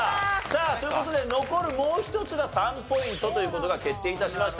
さあという事で残るもう一つが３ポイントという事が決定致しました。